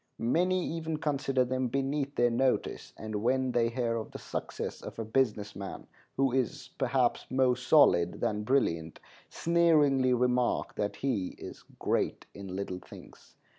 Many even consider them beneath their notice, and when they hear of the success of a business man who is, perhaps, more "solid" than brilliant, sneeringly remark that he is "great in little things."